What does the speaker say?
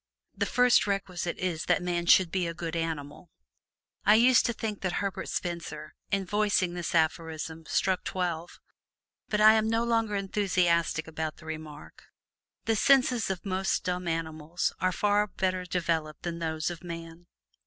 "The first requisite is that man should be a good animal." I used to think that Herbert Spencer in voicing this aphorism struck twelve. But I am no longer enthusiastic about the remark. The senses of most dumb animals are far better developed than those of man.